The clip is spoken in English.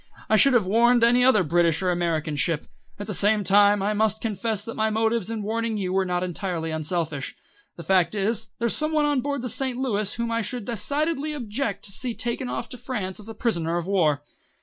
"I should have warned any other British or American ship. At the same time, I must confess that my motives in warning you were not entirely unselfish. The fact is, there's some one on board the St. Louis whom I should decidedly object to see taken off to France as a prisoner of war."